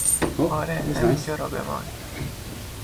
آره، همینجا را بمال!